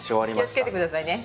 気を付けてくださいね。